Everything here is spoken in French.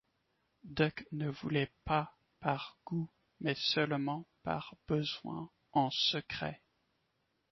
Buck ne volait pas par goût, mais seulement par besoin, en secret.